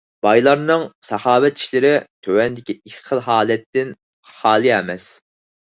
بايلارنىڭ ساخاۋەت ئىشلىرى تۆۋەندىكى ئىككى خىل ھالەتتىن خالىي ئەمەس: